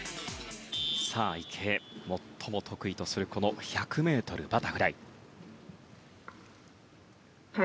さあ、池江最も得意とするこの１００ｍバタフライ。